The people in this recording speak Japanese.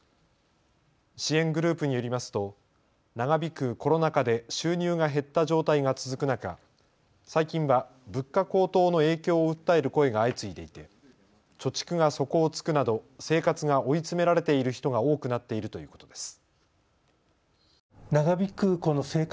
支援グループによりますと長引くコロナ禍で収入が減った状態が続く中最近は物価高騰の影響を訴える声が相次いでいて貯蓄が底をつくなど生活が追い詰められている人が多くなっているということです。